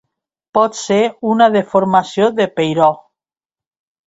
Pot ser una deformació de peiró.